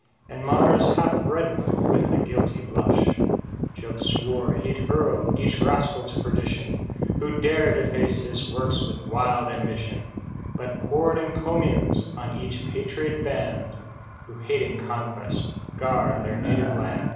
And Mars half redden'd with a guilty blush ; Jove swore he'd hurl each rascal to perdition, Who'd dare deface his works with wild ambition ; But poured encomiums on each patriot band, Who hating conquest guard their native land.